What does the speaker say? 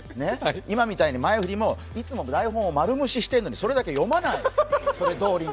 今みたいに前振りも、いつも台本を読んでいるのに、それだけ読まない、それどおりに。